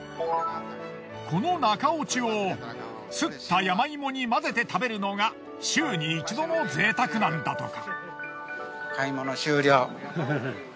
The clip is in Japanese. この中落ちをすった山芋に混ぜて食べるのが週に一度のぜいたくなんだとか。